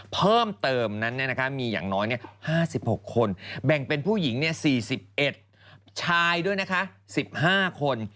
เพิ่มเติมนั้นมีอย่างน้อย๕๖คนแบ่งเป็นผู้หญิง๔๑ชายด้วยนะคะ๑๕คน